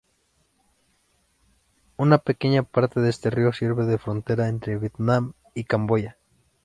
Una pequeña parte de este río sirve de frontera entre Vietnam y Camboya.